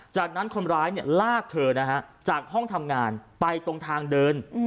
จากนั้นคนร้ายลากเธอนะฮะจากห้องทำงานไปตรงทางเดิน